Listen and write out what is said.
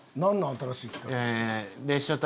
新しい企画って。